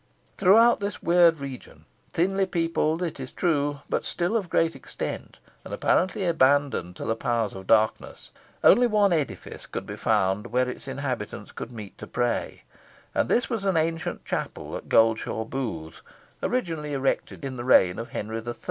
Throughout this weird region, thinly peopled it is true, but still of great extent, and apparently abandoned to the powers of darkness, only one edifice could be found where its inhabitants could meet to pray, and this was an ancient chapel at Goldshaw Booth, originally erected in the reign of Henry III.